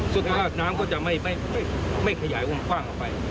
สุดท้ายว่างน้ำก็จะไม่ขยายมันกว้างลงไป